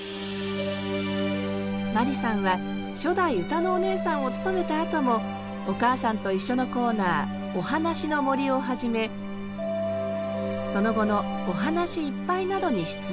眞理さんは初代歌のお姉さんを務めたあとも「おかあさんといっしょ」のコーナー「おはなしのもり」をはじめその後の「おはなしいっぱい」などに出演。